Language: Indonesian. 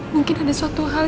mungkin ada suatu hal